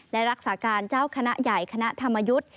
และรักษาการเจ้าคณะใหญ่คณะธรรมยุทธ์